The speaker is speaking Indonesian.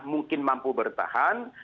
mungkin mampu bertahan